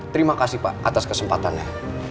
terima kasih pak atas kesempatannya